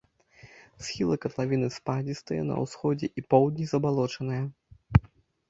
Схілы катлавіны спадзістыя, на ўсходзе і поўдні забалочаныя.